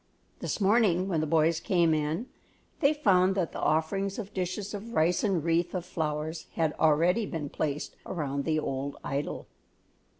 This morning when the boys came in, they found that the offerings of dishes of rice and wreaths of flowers had already been placed around the old idol.